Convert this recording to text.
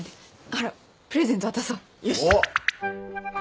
ほらプレゼント渡そう。